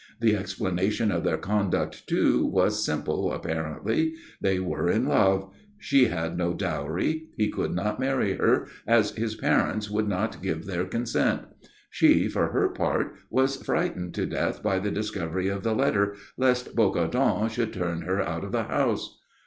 The explanation of their conduct, too, was simple, apparently. They were in love. She had no dowry. He could not marry her, as his parents would not give their consent. She, for her part, was frightened to death by the discovery of the letter, lest Bocardon should turn her out of the house.